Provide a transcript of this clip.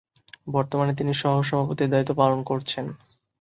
বর্তমানে তিনি সহ-সভাপতির দায়িত্ব পালন কবছেন।